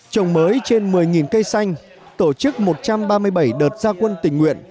trồng mới trên một mươi cây xanh tổ chức một trăm ba mươi bảy đợt gia quân tình nguyện